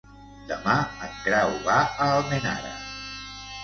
Demà en Grau va a Almenara.